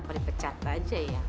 peripecat aja ya